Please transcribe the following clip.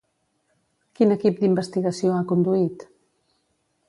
Quin equip d'investigació ha conduït?